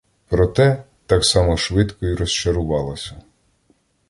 Проте, так само швидко і розчарувалася.